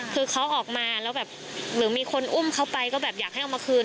คือเขาออกมาหรือมีคนอุ้มเขาไปก็อยากให้ออกมาคืน